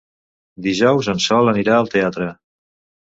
Dijous en Sol anirà al teatre.